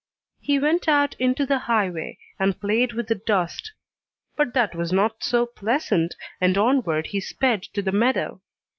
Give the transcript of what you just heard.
He went out into the highway, and played with the dust; but that was not so pleasant, and onward he sped to the meadow.